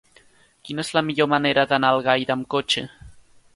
Quina és la millor manera d'anar a Algaida amb cotxe?